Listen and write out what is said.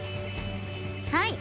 はい！